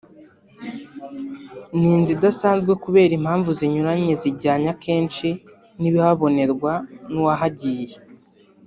ni inzu idasanzwe kubera impamvu zinyuranye zijyanye kenshi n’ibihabonerwa n’uwahagiye